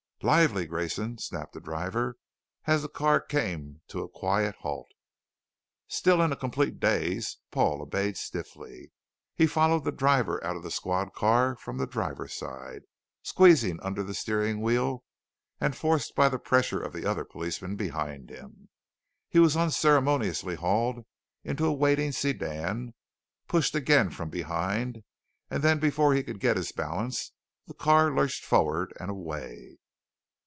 "Lively, Grayson," snapped the driver as the car came to a quiet halt. Still in a complete daze, Paul obeyed stiffly. He followed the driver out of the squad car from the driver's side, squeezing under the steering wheel and forced by the pressure of the other policeman behind him. He was unceremoniously hauled into a waiting sedan, pushed again from behind, and then before he could get his balance the car lurched forward and away.